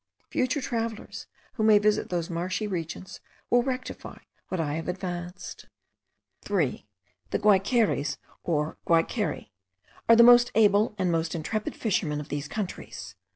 Future travellers, who may visit those marshy regions, will rectify what I have advanced. 3. The Guaiqueries or Guaikeri, are the most able and most intrepid fishermen of these countries.